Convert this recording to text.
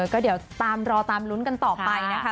ก็เดี๋ยวตามรอตามลุ้นกันต่อไปนะคะ